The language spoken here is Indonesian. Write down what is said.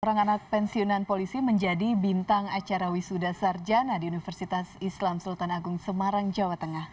orang anak pensiunan polisi menjadi bintang acara wisuda sarjana di universitas islam sultan agung semarang jawa tengah